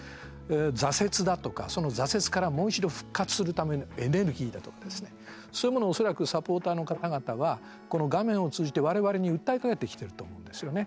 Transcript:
挫折だとか、その挫折からもう一度復活するためのエネルギーだとかですねそういうものを恐らくサポーターの方々はこの画面を通じて我々に訴えかけてきてると思うんですよね。